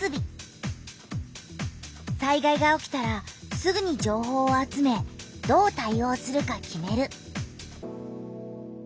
災害が起きたらすぐに情報を集めどう対おうするか決める。